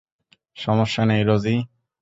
সমস্যা নেই, রোজি।